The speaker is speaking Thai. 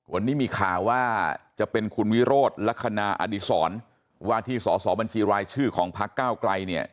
วันนี้มีข่าวว่าจะเป็นคุณวิโรธลักษณะอดีศรว่าที่สอสอบัญชีรายชื่อของพักเก้าไกลเนี่ย